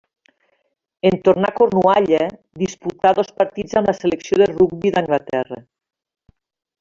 En tornar a Cornualla disputà dos partits amb la selecció de rugbi d'Anglaterra.